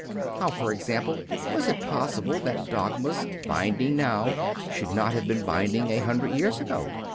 How, for example, was it possible that dogmas binding now should not have been binding a hundred years ago?